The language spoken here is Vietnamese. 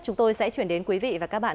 chúng tôi sẽ chuyển đến quý vị và các bạn